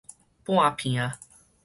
半坪